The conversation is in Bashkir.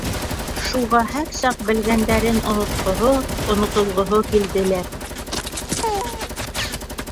Шуға һәр саҡ белгәндәрен онотҡоһо, онотолғоһо килде лә...